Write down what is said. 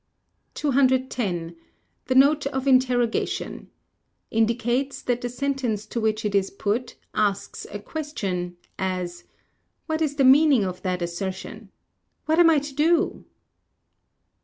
210. The Note of Interrogation ? indicates that the sentence to which it is put asks a question; as, "What is the meaning of that assertion? What am I to do?"